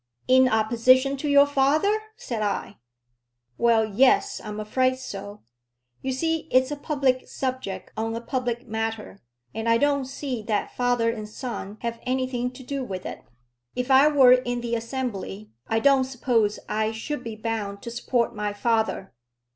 "In opposition to your father?" said I. "Well; yes, I am afraid so. You see it's a public subject on a public matter, and I don't see that father and son have anything to do with it. If I were in the Assembly, I don't suppose I should be bound to support my father."